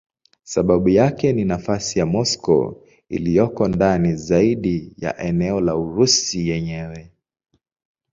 Sababu yake ni nafasi ya Moscow iliyoko ndani zaidi ya eneo la Urusi yenyewe.